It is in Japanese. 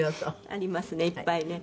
ありますねいっぱいね。